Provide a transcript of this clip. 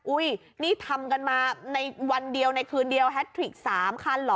นี่ทำกันมาในวันเดียวในคืนเดียวแฮทริก๓คันเหรอ